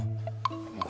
もう。